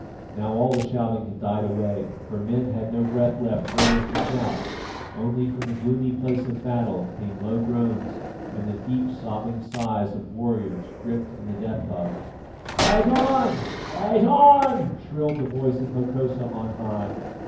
Now all the shouting had died away, for men had no breath left wherewith to shout, only from the gloomy place of battle came low groans and the deep sobbing sighs of warriors gripped in the death hug. "Fight on! Fight on!" shrilled the voice of Hokosa on high.